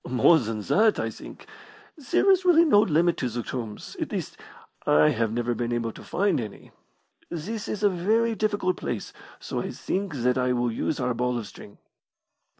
"More than that, I think. There is really no limit to the tombs at least, I have never been able to find any. This is a very difficult place, so I think that I will use our ball of string."